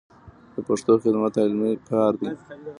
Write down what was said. د پښتو خدمت علمي کار دی.